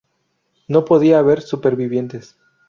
No podía haber supervivientes.